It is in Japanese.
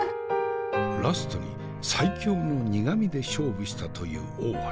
ラストに最強の苦味で勝負したという大原。